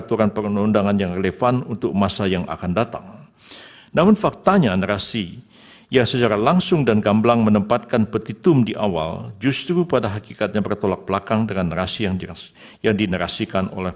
terima kasih terima kasih